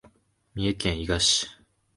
三重県伊賀市